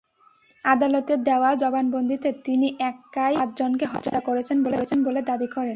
আদালতে দেওয়া জবানবন্দিতে তিনি একাই পাঁচজনকে হত্যা করেছেন বলে দাবি করেন।